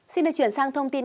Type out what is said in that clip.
xin được chuyển sang thông tin